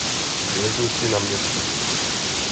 Železnici na město.